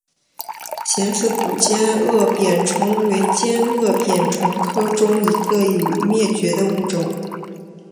似形古尖腭扁虫为尖腭扁虫科中一个已灭绝的物种。